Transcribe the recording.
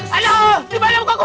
aduh dimana muka aku